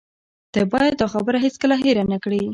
ته باید دا خبره هیڅکله هیره نه کړې